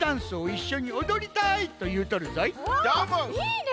いいね！